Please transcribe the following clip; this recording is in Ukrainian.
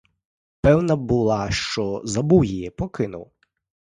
Певна була, що забув її, покинув.